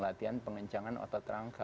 latihan pengencangan otot rangka